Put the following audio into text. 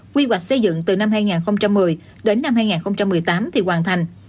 quy hoạch xây dựng từ năm hai nghìn một mươi đến năm hai nghìn một mươi tám thì hoàn thành